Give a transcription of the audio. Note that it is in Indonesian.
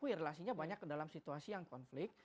relasinya banyak dalam situasi yang konflik